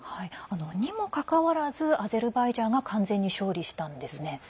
にもかかわらずアゼルバイジャンが完全に勝利したんですね。